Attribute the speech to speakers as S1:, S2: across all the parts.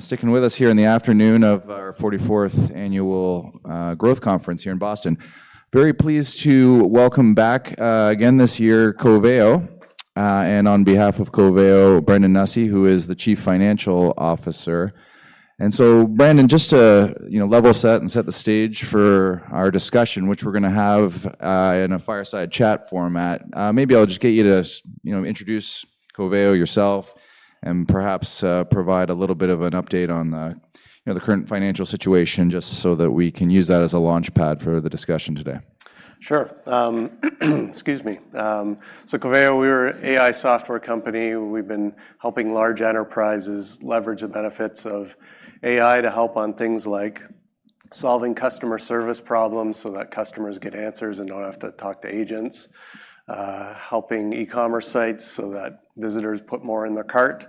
S1: Sticking with us here in the afternoon of our 44th Annual Growth Conference here in Boston. Very pleased to welcome back again this year, Coveo. And on behalf of Coveo, Brandon Nussey, who is the Chief Financial Officer. And so, Brandon, just to, you know, level set and set the stage for our discussion, which we're gonna have in a fireside chat format, maybe I'll just get you to, you know, introduce Coveo yourself, and perhaps provide a little bit of an update on the, you know, the current financial situation, just so that we can use that as a launchpad for the discussion today.
S2: Sure, excuse me. So Coveo, we're an AI software company. We've been helping large enterprises leverage the benefits of AI to help on things like solving customer service problems, so that customers get answers and don't have to talk to agents. Helping e-commerce sites, so that visitors put more in their cart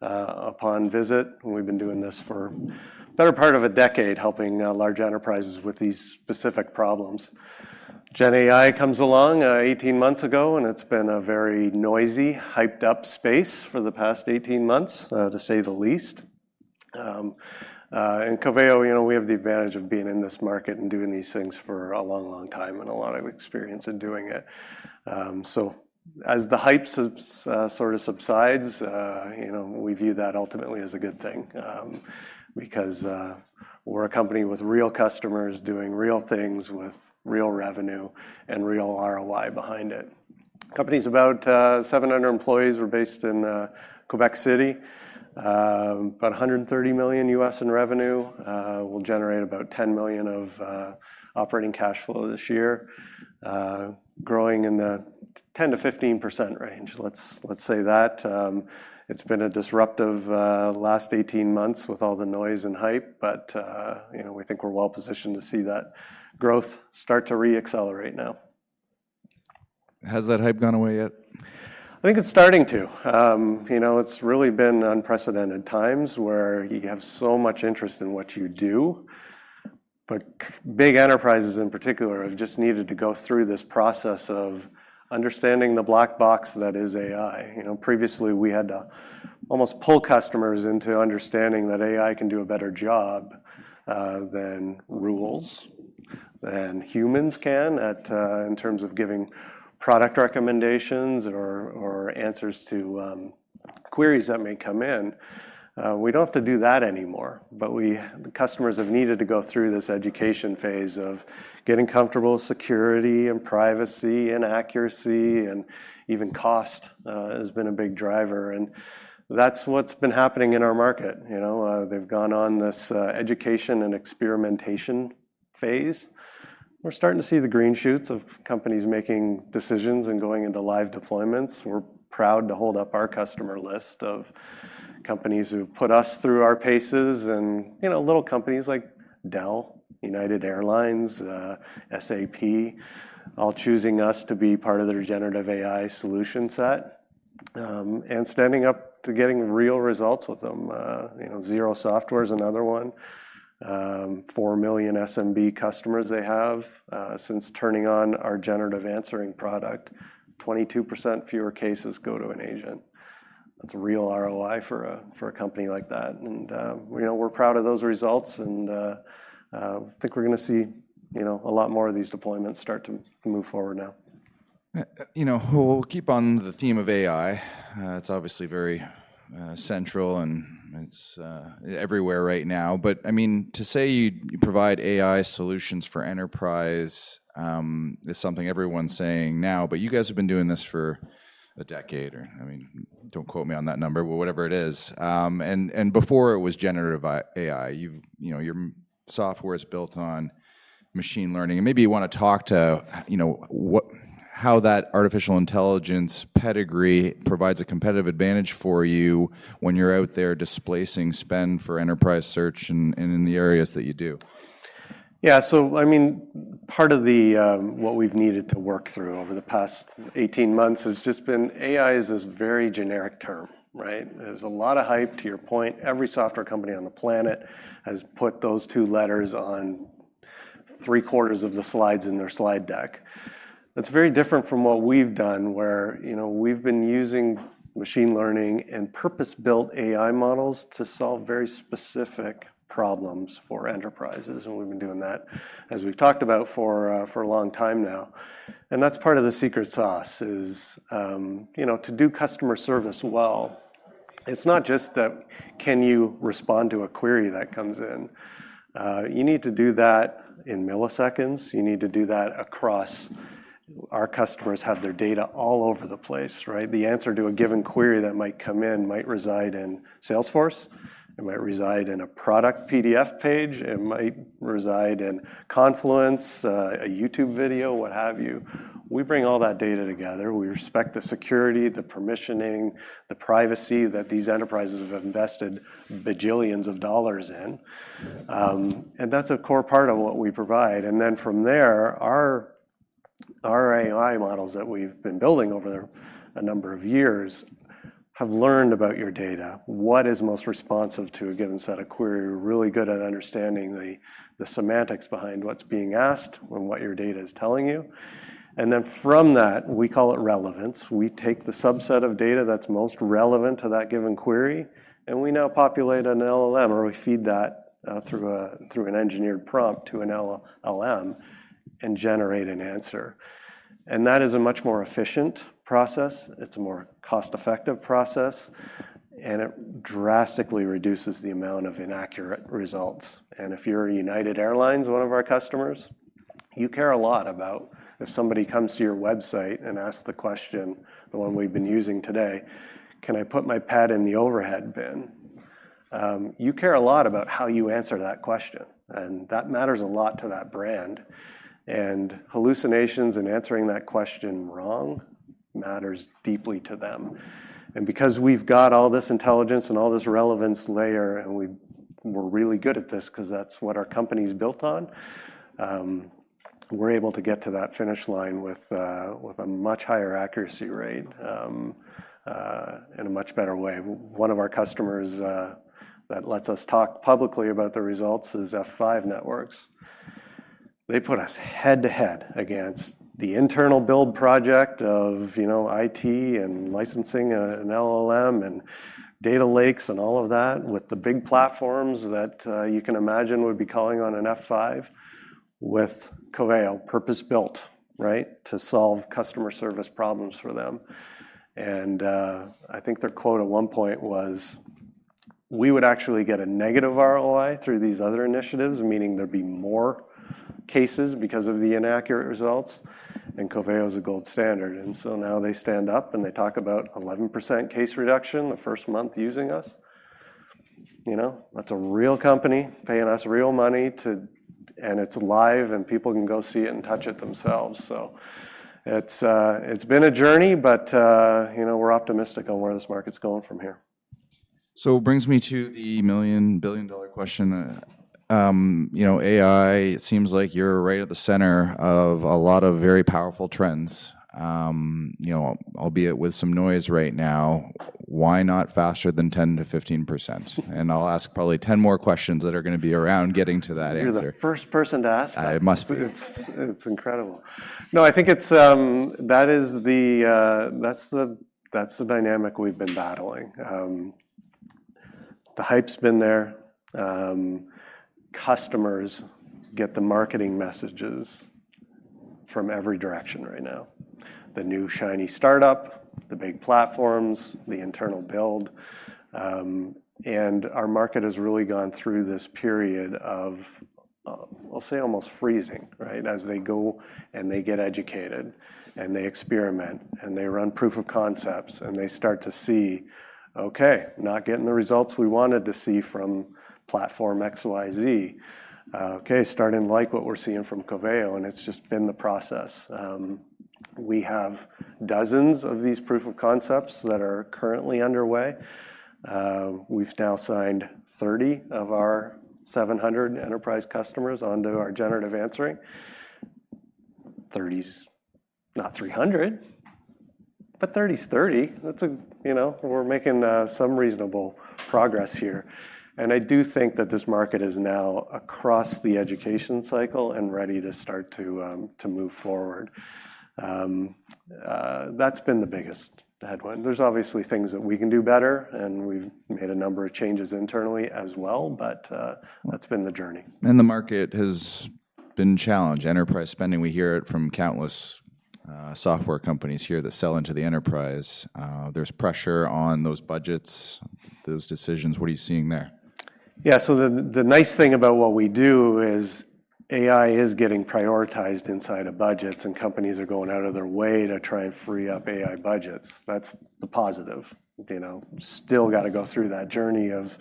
S2: upon visit. We've been doing this for the better part of a decade, helping large enterprises with these specific problems. Gen AI comes along 18 months ago, and it's been a very noisy, hyped up space for the past 18 months to say the least. And Coveo, you know, we have the advantage of being in this market and doing these things for a long, long time, and a lot of experience in doing it. So as the hype sort of subsides, you know, we view that ultimately as a good thing. Because we're a company with real customers, doing real things, with real revenue and real ROI behind it. Company is about 700 employees. We're based in Quebec City. About $130 million in revenue. We'll generate about $10 million of operating cash flow this year. Growing in the 10%-15% range, let's say that. It's been a disruptive last 18 months with all the noise and hype, but, you know, we think we're well positioned to see that growth start to re-accelerate now.
S1: Has that hype gone away yet?
S2: I think it's starting to. You know, it's really been unprecedented times, where you have so much interest in what you do, but big enterprises in particular have just needed to go through this process of understanding the black box that is AI. You know, previously, we had to almost pull customers into understanding that AI can do a better job than rules, than humans can, at in terms of giving product recommendations or answers to queries that may come in. We don't have to do that anymore, but the customers have needed to go through this education phase of getting comfortable with security, and privacy, and accuracy, and even cost has been a big driver, and that's what's been happening in our market. You know, they've gone on this education and experimentation phase. We're starting to see the green shoots of companies making decisions and going into live deployments. We're proud to hold up our customer list of companies who've put us through our paces. And, you know, little companies like Dell, United Airlines, SAP, all choosing us to be part of their generative AI solution set. And standing up to getting real results with them. You know, Xero is another one. SMB 4 million customers they have. Since turning on our Generative Answering product, 22% fewer cases go to an agent. That's a real ROI for a company like that, and, you know, we're proud of those results, and, I think we're gonna see, you know, a lot more of these deployments start to move forward now. You know, we'll keep on the theme of AI. It's obviously very central, and it's everywhere right now. But I mean, to say you provide AI solutions for enterprise is something everyone's saying now, but you guys have been doing this for a decade, or I mean, don't quote me on that number, but whatever it is. And before it was generative AI, you've... You know, your software is built on machine learning, and maybe you wanna talk to, you know, what—how that artificial intelligence pedigree provides a competitive advantage for you when you're out there displacing spend for enterprise search, and in the areas that you do. Yeah, so I mean, part of the what we've needed to work through over the past 18 months has just been AI is this very generic term, right? There's a lot of hype, to your point. Every software company on the planet has put those two letters on three-quarters of the slides in their slide deck. That's very different from what we've done, where, you know, we've been using machine learning and purpose-built AI models to solve very specific problems for enterprises, and we've been doing that, as we've talked about, for a long time now. And that's part of the secret sauce is, you know, to do customer service well, it's not just that, can you respond to a query that comes in? You need to do that in milliseconds. You need to do that across... Our customers have their data all over the place, right? The answer to a given query that might come in might reside in Salesforce, it might reside in a product PDF page, it might reside in Confluence, a YouTube video, what have you. We bring all that data together. We respect the security, the permissioning, the privacy that these enterprises have invested bajillions of dollars in. And that's a core part of what we provide, and then from there, our AI models that we've been building over a number of years have learned about your data. What is most responsive to a given set of query? We're really good at understanding the semantics behind what's being asked and what your data is telling you. And then from that, we call it relevance. We take the subset of data that's most relevant to that given query, and we now populate an LLM, or we feed that through an engineered prompt to an LLM and generate an answer. That is a much more efficient process, it's a more cost-effective process, and it drastically reduces the amount of inaccurate results. If you're United Airlines, one of our customers, you care a lot about if somebody comes to your website and asks the question, the one we've been using today: Can I put my pad in the overhead bin? You care a lot about how you answer that question, and that matters a lot to that brand. Hallucinations and answering that question wrong matters deeply to them. Because we've got all this intelligence and all this relevance layer, and we're really good at this 'cause that's what our company's built on, we're able to get to that finish line with, with a much higher accuracy rate, in a much better way. One of our customers that lets us talk publicly about the results is F5 Networks. They put us head-to-head against the internal build project of, you know, IT and licensing, an LLM, and data lakes, and all of that, with the big platforms that you can imagine would be calling on an F5, with Coveo purpose-built, right? To solve customer service problems for them. And, I think their quote at one point was, "We would actually get a negative ROI through these other initiatives," meaning there'd be more cases because of the inaccurate results, "and Coveo is a gold standard." And so now they stand up, and they talk about 11% case reduction the first month using us. You know, that's a real company paying us real money to—and it's live, and people can go see it and touch it themselves. So it's, it's been a journey, but, you know, we're optimistic on where this market's going from here.
S1: So it brings me to the million, billion-dollar question. You know, AI, it seems like you're right at the center of a lot of very powerful trends. You know, albeit with some noise right now, why not faster than 10%-15%? And I'll ask probably 10 more questions that are gonna be around getting to that answer.
S2: You're the first person to ask that.
S1: I must be.
S2: It's, it's incredible. No, I think it's... That's the dynamic we've been battling. The hype's been there. Customers get the marketing messages from every direction right now. The new shiny start-up, the big platforms, the internal build. And our market has really gone through this period of, I'll say almost freezing, right? As they go, and they get educated, and they experiment, and they run proof of concepts, and they start to see, "Okay, not getting the results we wanted to see from platform XYZ. Okay, starting to like what we're seeing from Coveo," and it's just been the process. We have dozens of these proof of concepts that are currently underway. We've now signed 30 of our 700 enterprise customers onto our generative answering. 30's not 300, but 30's 30. That's -- you know, we're making some reasonable progress here. I do think that this market is now across the education cycle and ready to start to move forward. That's been the biggest headwind. There's obviously things that we can do better, and we've made a number of changes internally as well, but that's been the journey.
S1: The market has been challenged. Enterprise spending, we hear it from countless, software companies here that sell into the enterprise. There's pressure on those budgets, those decisions. What are you seeing there?
S2: Yeah. So the nice thing about what we do is AI is getting prioritized inside of budgets, and companies are going out of their way to try and free up AI budgets. That's the positive, you know. Still got to go through that journey of,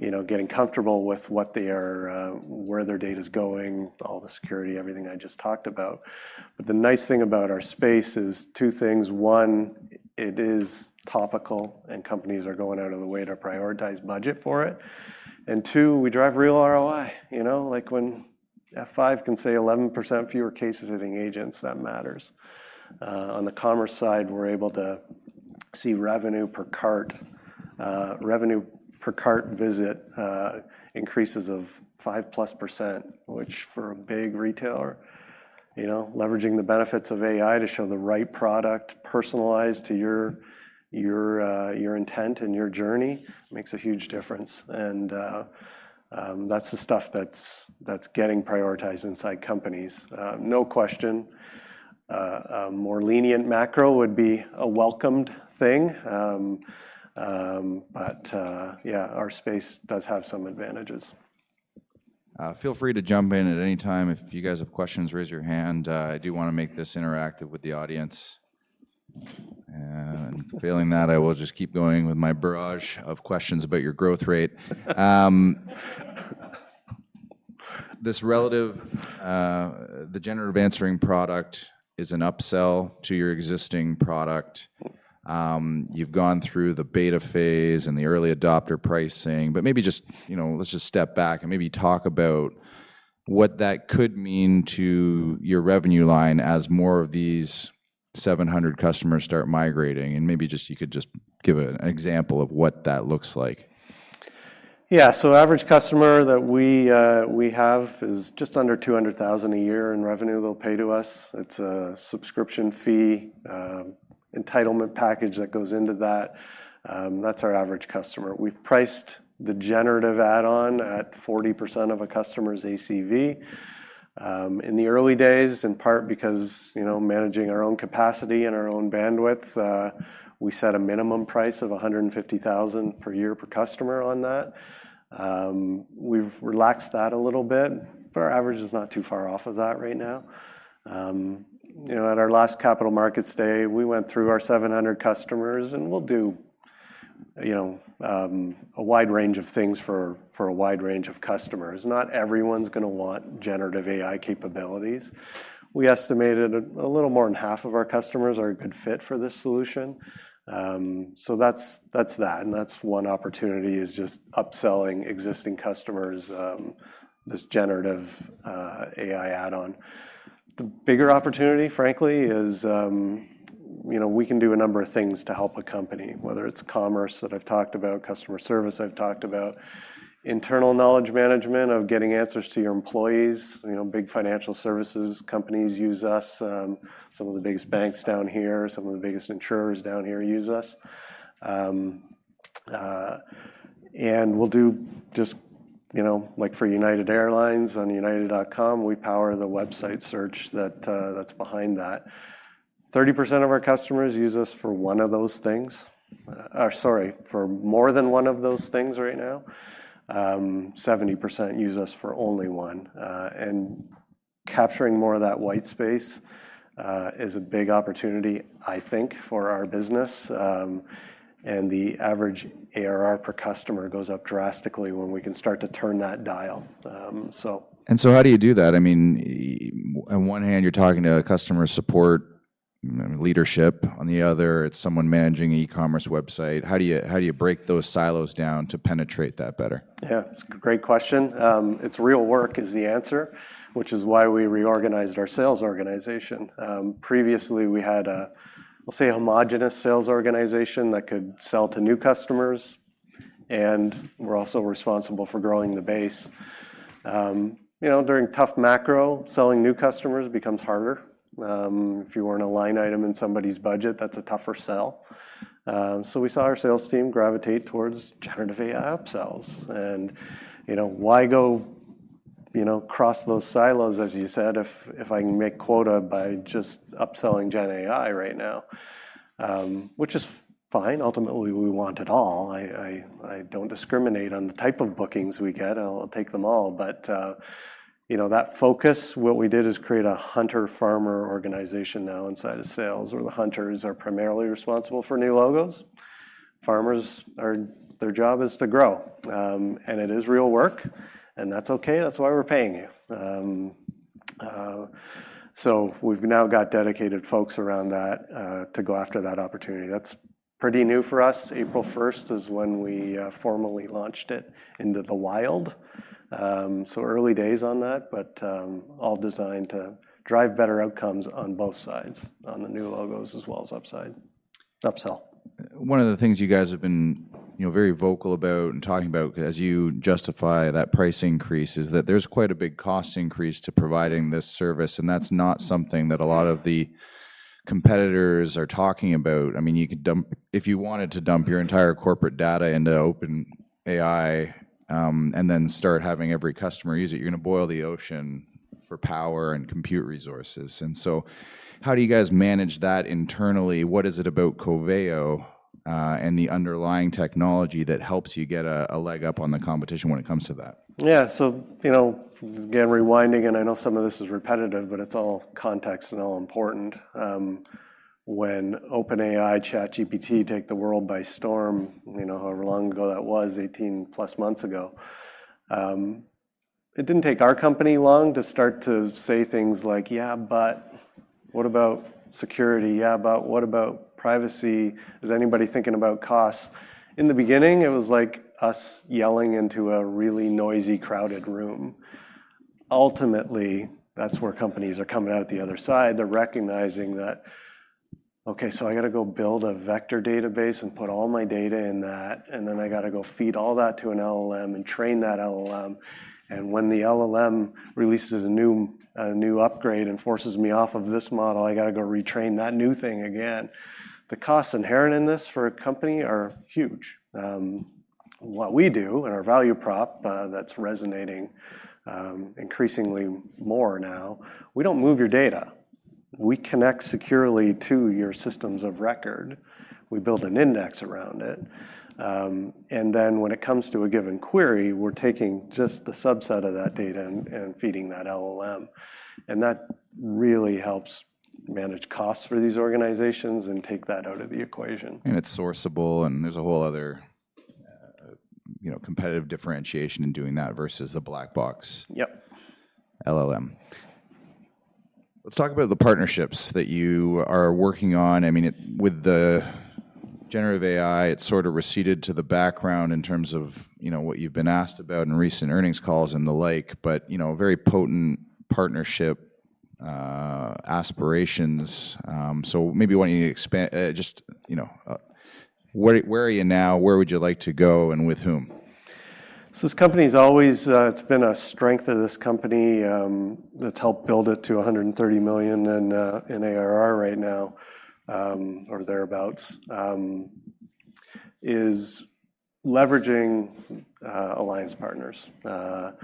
S2: you know, getting comfortable with what they are, where their data's going, all the security, everything I just talked about. But the nice thing about our space is two things: One, it is topical, and companies are going out of the way to prioritize budget for it. And two, we drive real ROI. You know, like, when F5 can say 11% fewer cases hitting agents, that matters. On the commerce side, we're able to see revenue per cart, revenue per cart visit, increases of 5%+, which for a big retailer, you know, leveraging the benefits of AI to show the right product, personalized to your intent and your journey, makes a huge difference. That's the stuff that's getting prioritized inside companies. No question, a more lenient macro would be a welcomed thing. But yeah, our space does have some advantages.
S1: Feel free to jump in at any time. If you guys have questions, raise your hand. I do wanna make this interactive with the audience. Failing that, I will just keep going with my barrage of questions about your growth rate. This relative, the generative answering product is an upsell to your existing product. You've gone through the beta phase and the early adopter pricing, but maybe just, you know, let's just step back and maybe talk about what that could mean to your revenue line as more of these 700 customers start migrating, and maybe just you could just give an example of what that looks like.
S2: Yeah. So the average customer that we have is just under $200,000 a year in revenue they'll pay to us. It's a subscription fee, entitlement package that goes into that. That's our average customer. We've priced the generative add-on at 40% of a customer's ACV. In the early days, in part because, you know, managing our own capacity and our own bandwidth, we set a minimum price of $150,000 per year per customer on that. We've relaxed that a little bit, but our average is not too far off of that right now. You know, at our last capital markets day, we went through our 700 customers, and we'll do, you know, a wide range of things for a wide range of customers. Not everyone's gonna want generative AI capabilities. We estimated a little more than half of our customers are a good fit for this solution. So that's that, and that's one opportunity, is just upselling existing customers, this generative AI add-on. The bigger opportunity, frankly, is, you know, we can do a number of things to help a company, whether it's commerce that I've talked about, customer service I've talked about, internal knowledge management, of getting answers to your employees. You know, big financial services companies use us. Some of the biggest banks down here, some of the biggest insurers down here use us. And we'll do just, you know, like for United Airlines, on united.com, we power the website search that's behind that. 30% of our customers use us for one of those things. Sorry, for more than one of those things right now. 70% use us for only one. Capturing more of that white space is a big opportunity, I think, for our business. The average ARR per customer goes up drastically when we can start to turn that dial.
S1: And so how do you do that? I mean, on one hand, you're talking to a customer support leadership. On the other, it's someone managing an e-commerce website. How do you, how do you break those silos down to penetrate that better?
S2: Yeah, it's a great question. It's real work, is the answer, which is why we reorganized our sales organization. Previously, we had a, let's say, a homogenous sales organization that could sell to new customers, and we're also responsible for growing the base. You know, during tough macro, selling new customers becomes harder. If you weren't a line item in somebody's budget, that's a tougher sell. So we saw our sales team gravitate towards generative AI upsells, and, you know, why go, you know, cross those silos, as you said, if, if I can make quota by just upselling gen AI right now? Which is fine. Ultimately, we want it all. I don't discriminate on the type of bookings we get. I'll take them all. You know, that focus, what we did is create a hunter-farmer organization now inside of sales, where the hunters are primarily responsible for new logos. Farmers are, their job is to grow. It is real work, and that's okay. That's why we're paying you. We've now got dedicated folks around that to go after that opportunity. That's pretty new for us. April first is when we formally launched it into the wild. Early days on that, but all designed to drive better outcomes on both sides, on the new logos as well as upside, upsell.
S1: One of the things you guys have been, you know, very vocal about and talking about as you justify that price increase, is that there's quite a big cost increase to providing this service, and that's not something that a lot of the competitors are talking about. I mean, if you wanted to dump your entire corporate data into OpenAI, and then start having every customer use it, you're gonna boil the ocean for power and compute resources. So how do you guys manage that internally? What is it about Coveo, and the underlying technology that helps you get a leg up on the competition when it comes to that?
S2: Yeah. So, you know, again, rewinding, and I know some of this is repetitive, but it's all context and all important. When OpenAI, ChatGPT, take the world by storm, you know, however long ago that was, 18+ months ago, it didn't take our company long to start to say things like: "Yeah, but what about security? Yeah, but what about privacy? Is anybody thinking about cost?" In the beginning, it was like us yelling into a really noisy, crowded room. Ultimately, that's where companies are coming out the other side. They're recognizing that, "Okay, so I gotta go build a vector database and put all my data in that, and then I gotta go feed all that to an LLM and train that LLM. And when the LLM releases a new upgrade and forces me off of this model, I gotta go retrain that new thing again." The costs inherent in this for a company are huge. What we do and our value prop, that's resonating increasingly more now, we don't move your data. We connect securely to your systems of record. We build an index around it, and then when it comes to a given query, we're taking just the subset of that data and feeding that LLM, and that really helps manage costs for these organizations and take that out of the equation.
S1: And it's sourceable, and there's a whole... you know, competitive differentiation in doing that versus a black box-
S2: Yep.
S1: LLM. Let's talk about the partnerships that you are working on. I mean, with the generative AI, it sort of receded to the background in terms of, you know, what you've been asked about in recent earnings calls and the like, but, you know, very potent partnership aspirations. So maybe why don't you expand, just, you know, where, where are you now? Where would you like to go, and with whom?
S2: So this company's always, it's been a strength of this company, that's helped build it to $130 million in ARR right now, or thereabouts, is leveraging alliance partners. My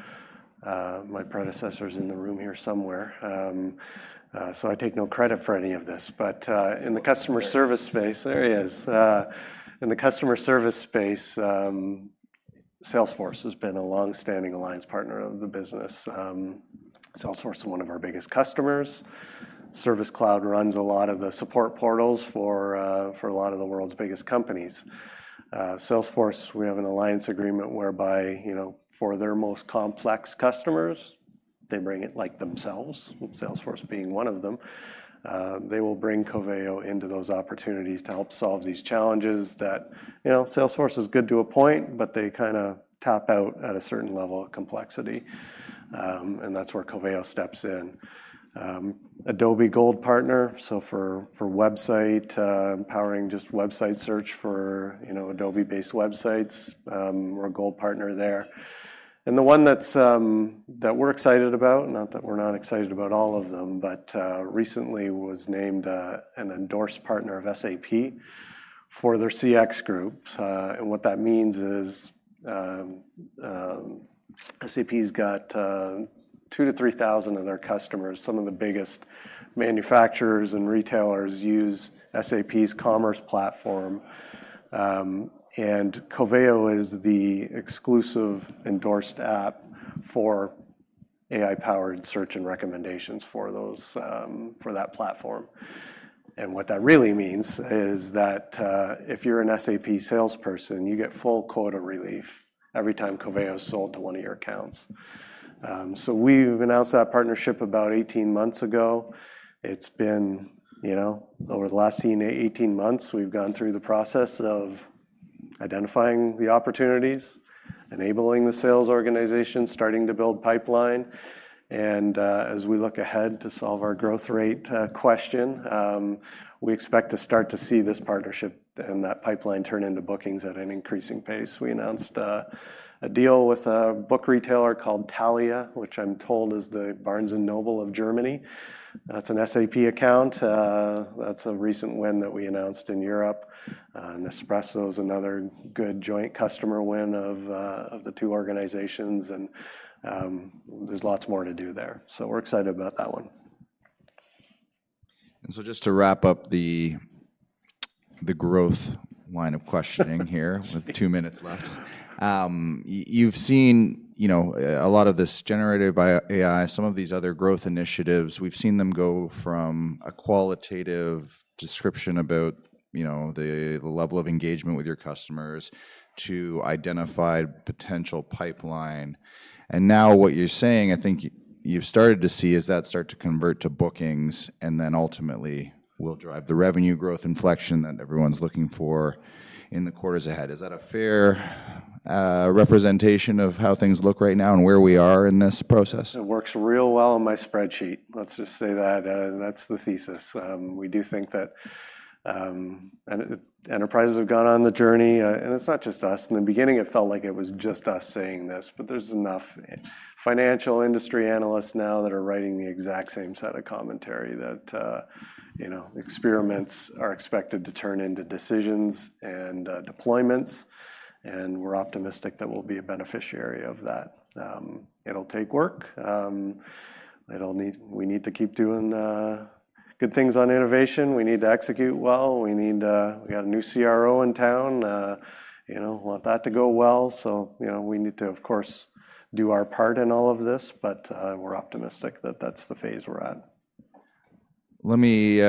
S2: predecessor's in the room here somewhere, so I take no credit for any of this. But,
S1: Oh, there he is.
S2: In the customer service space, Salesforce has been a long-standing alliance partner of the business. Salesforce is one of our biggest customers. Service Cloud runs a lot of the support portals for a lot of the world's biggest companies. Salesforce, we have an alliance agreement whereby, you know, for their most complex customers, they bring it, like themselves, Salesforce being one of them, they will bring Coveo into those opportunities to help solve these challenges that, you know, Salesforce is good to a point, but they kinda top out at a certain level of complexity. And that's where Coveo steps in. Adobe Gold Partner, so for website, empowering just website search for, you know, Adobe-based websites, we're a gold partner there. And the one that's that we're excited about, not that we're not excited about all of them, but recently was named an endorsed partner of SAP for their CX groups. And what that means is, SAP's got 2-3,000 of their customers. Some of the biggest manufacturers and retailers use SAP's commerce platform, and Coveo is the exclusive endorsed app for AI-powered search and recommendations for those, for that platform. And what that really means is that, if you're an SAP salesperson, you get full quota relief every time Coveo's sold to one of your accounts. So we've announced that partnership about 18 months ago. It's been, you know, over the last 18 months, we've gone through the process of identifying the opportunities, enabling the sales organization, starting to build pipeline, and as we look ahead to solve our growth rate question, we expect to start to see this partnership and that pipeline turn into bookings at an increasing pace. We announced a deal with a book retailer called Thalia, which I'm told is the Barnes & Noble of Germany. That's an SAP account. That's a recent win that we announced in Europe. Nespresso is another good joint customer win of the two organizations, and there's lots more to do there. So we're excited about that one.
S1: And so just to wrap up the growth line of questioning—here, with two minutes left, you've seen, you know, a lot of this generated by AI, some of these other growth initiatives. We've seen them go from a qualitative description about, you know, the level of engagement with your customers to identify potential pipeline. And now what you're saying, I think you've started to see, is that start to convert to bookings, and then ultimately will drive the revenue growth inflection that everyone's looking for in the quarters ahead. Is that a fair—
S2: It's-
S1: representation of how things look right now and where we are in this process?
S2: It works real well on my spreadsheet. Let's just say that, that's the thesis. We do think that, and it, enterprises have gone on the journey, and it's not just us. In the beginning, it felt like it was just us saying this, but there's enough financial industry analysts now that are writing the exact same set of commentary that, you know, experiments are expected to turn into decisions and, deployments, and we're optimistic that we'll be a beneficiary of that. It'll take work. It'll need. We need to keep doing, good things on innovation. We need to execute well. We need, we got a new CRO in town, you know. Want that to go well, so, you know, we need to, of course, do our part in all of this, but, we're optimistic that that's the phase we're at.
S1: Let me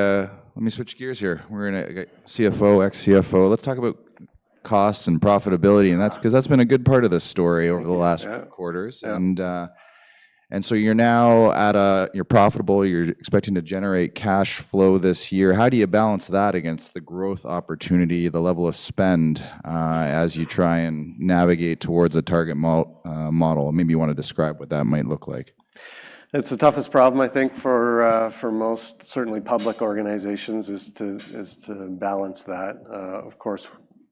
S1: switch gears here. We're gonna... CFO, ex CFO. Let's talk about costs and profitability, and that's-
S2: Yeah.
S1: ’cause that’s been a good part of this story over the last—
S2: Yeah
S1: - quarters.
S2: Yeah.
S1: And, and so you're now at a... You're profitable, you're expecting to generate cash flow this year. How do you balance that against the growth opportunity, the level of spend, as you try and navigate towards a target model? Maybe you wanna describe what that might look like.
S2: It's the toughest problem, I think, for most certainly public organizations, is to balance that. Of course,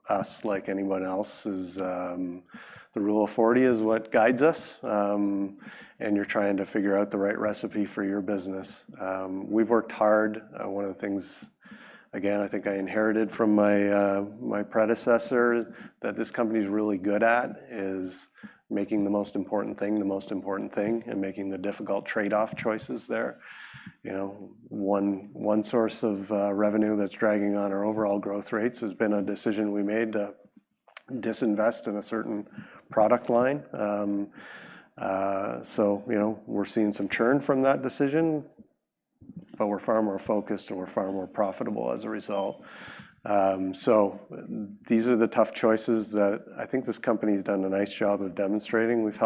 S2: us, like anyone else, is, the rule of 40 is what guides us. And you're trying to figure out the right recipe for your business. We've worked hard. One of the things, again, I think I inherited from my predecessor, that this company's really good at, is making the most important thing, the most important thing, and making the difficult trade-off choices there. You know, one source of revenue that's dragging on our overall growth rates has been a decision we made to disinvest in a certain product line. So, you know, we're seeing some churn from that decision, but we're far more focused, and we're far more profitable as a result. So these are the tough choices that I think this company's done a nice job of demonstrating. We've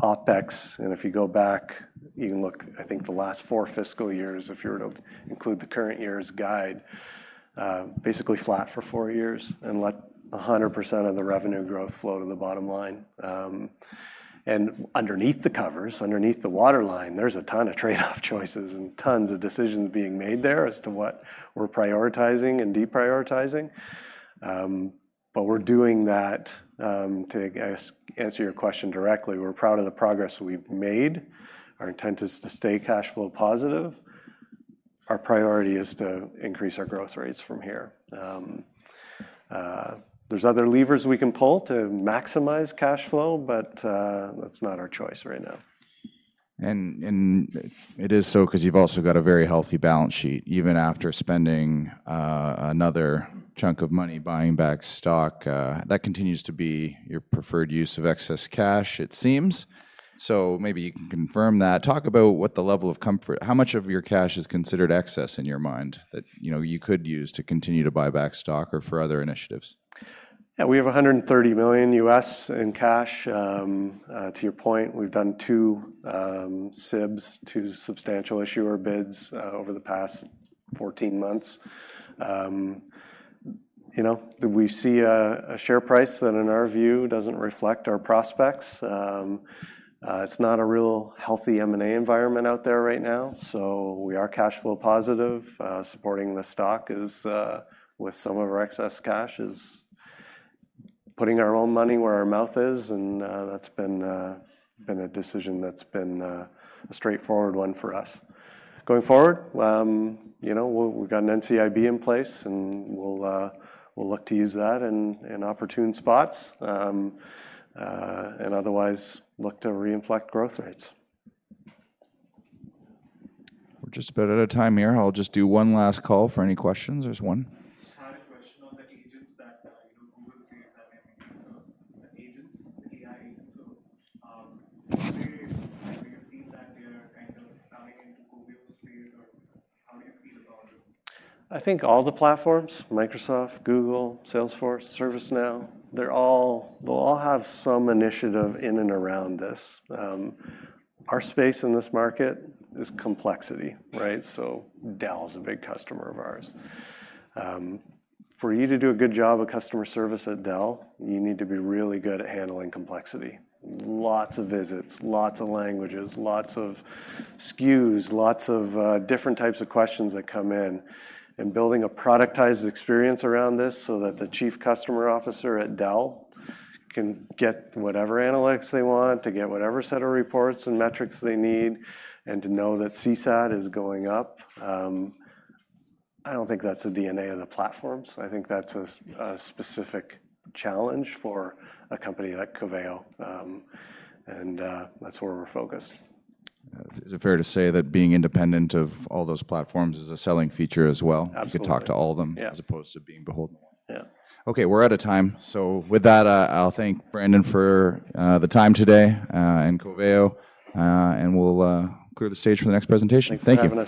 S2: held OpEx, and if you go back, you can look, I think, the last four fiscal years, if you were to include the current year's guide, basically flat for four years and let 100% of the revenue growth flow to the bottom line. And underneath the covers, underneath the waterline, there's a ton of trade-off choices and tons of decisions being made there as to what we're prioritizing and deprioritizing. But we're doing that, to answer your question directly, we're proud of the progress we've made. Our intent is to stay cash flow positive. Our priority is to increase our growth rates from here. There's other levers we can pull to maximize cash flow, but, that's not our choice right now.
S1: It is so 'cause you've also got a very healthy balance sheet. Even after spending another chunk of money buying back stock, that continues to be your preferred use of excess cash, it seems. So maybe you can confirm that. Talk about what the level of comfort is, how much of your cash is considered excess in your mind that, you know, you could use to continue to buy back stock or for other initiatives?
S2: Yeah, we have $130 million in cash. To your point, we've done two SIBs, two substantial issuer bids, over the past 14 months. You know, we see a share price that, in our view, doesn't reflect our prospects. It's not a real healthy M&A environment out there right now, so we are cash flow positive. Supporting the stock is with some of our excess cash, is putting our own money where our mouth is, and that's been a decision that's been a straightforward one for us. Going forward, you know, we, we've got an NCIB in place, and we'll look to use that in opportune spots, and otherwise, look to reinflate growth rates.
S1: We're just about out of time here. I'll just do one last call for any questions. There's one.
S3: I had a question on the agents that, you know, Google says that the agents, the AI agents. So, do you feel that they are kind of coming into Coveo's space, or how do you feel about it?
S2: I think all the platforms, Microsoft, Google, Salesforce, ServiceNow, they'll all have some initiative in and around this. Our space in this market is complexity, right? So Dell is a big customer of ours. For you to do a good job of customer service at Dell, you need to be really good at handling complexity. Lots of visits, lots of languages, lots of SKUs, lots of different types of questions that come in, and building a productized experience around this so that the Chief Customer Officer at Dell can get whatever analytics they want, to get whatever set of reports and metrics they need, and to know that CSAT is going up. I don't think that's the DNA of the platforms. I think that's a specific challenge for a company like Coveo. That's where we're focused.
S1: Is it fair to say that being independent of all those platforms is a selling feature as well?
S2: Absolutely.
S1: You can talk to all of them-
S2: Yeah...
S1: as opposed to being beholden.
S2: Yeah.
S1: Okay, we're out of time. So with that, I'll thank Brandon for the time today, and Coveo, and we'll clear the stage for the next presentation. Thank you.